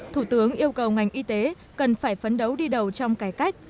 thủ tướng yêu cầu ngành y tế cần phải phấn đấu đi đầu trong cải cách